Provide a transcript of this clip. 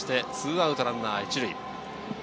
２アウトランナー１塁。